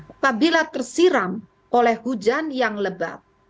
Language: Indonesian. apabila tersiram oleh hujan yang lebat